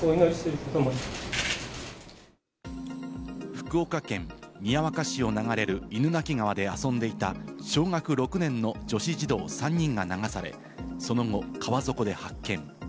福岡県宮若市を流れる犬鳴川で遊んでいた小学６年の女子児童３人が流され、その後、川底で発見。